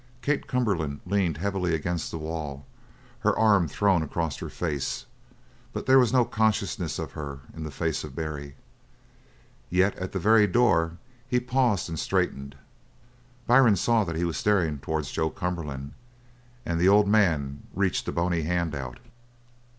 Kate Cumberland leaned heavily against the wall, her arm thrown across her face, but there was no consciousness of her in the face of Barry. Yet at the very door he paused and straightened; Byrne saw that he was staring towards Joe Cumberland; and the old man reached a bony hand out.